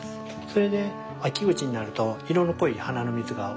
それで秋口になると色の濃い花の蜜が多く出ます。